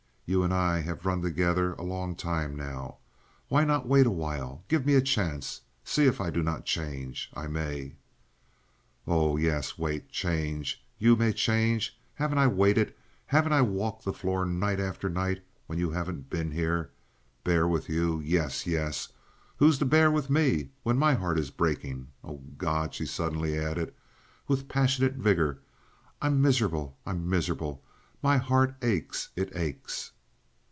You and I have run together a long time now. Why not wait awhile? Give me a chance! See if I do not change. I may." "Oh yes, wait! Change. You may change. Haven't I waited? Haven't I walked the floor night after night! when you haven't been here? Bear with you—yes, yes! Who's to bear with me when my heart is breaking? Oh, God!" she suddenly added, with passionate vigor, "I'm miserable! I'm miserable! My heart aches! It aches!"